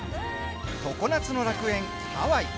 常夏の楽園ハワイ。